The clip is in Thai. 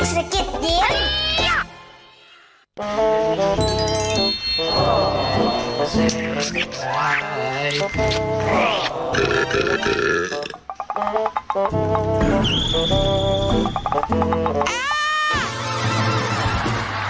สกิดยิ้ม